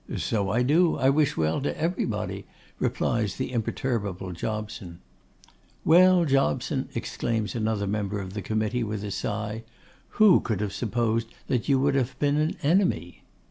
'So I do; I wish well to everybody,' replies the imperturbable Jobson. 'Well, Jobson,' exclaims another member of the committee, with a sigh, 'who could have supposed that you would have been an enemy?